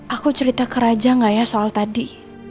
aku cerita ke raja gak ya soal tadi